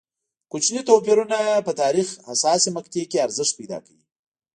کوچني توپیرونه په تاریخ حساسې مقطعې کې ارزښت پیدا کوي.